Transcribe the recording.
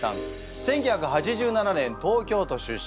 １９８７年東京都出身。